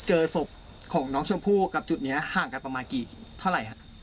เจอศพของน้องชมพู่กับจุดนี้ห่างกันประมาณกี่เท่าไหร่ฮะ